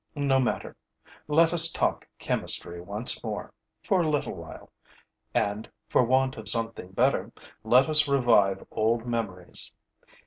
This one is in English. No matter: let us talk chemistry once more, for a little while; and, for want of something better, let us revive old memories.